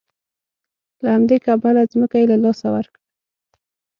له همدې کبله ځمکه یې له لاسه ورکړه.